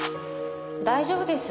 大丈夫です。